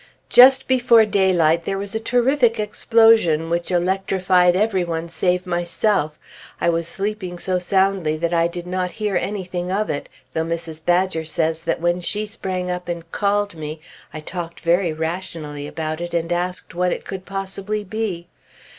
Just before daylight there was a terrific explosion which electrified every one save myself. I was sleeping so soundly that I did not hear anything of it, though Mrs. Badger says that when she sprang up and called me, I talked very rationally about it, and asked what it could possibly be.